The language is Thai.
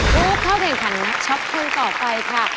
ดูเข้าเทียงขันนักช็อปขึ้นต่อไปค่ะ